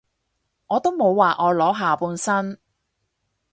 我都冇話我裸下半身